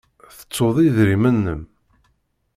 Tettuḍ idrimen-nnem?